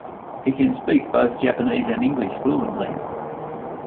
He can speak both Japanese and English fluently.